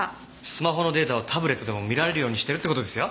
スマホのデータをタブレットでも見られるようにしてるって事ですよ。